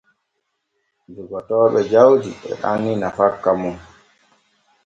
Jogotooɓe jawdi e anni nafakka mum.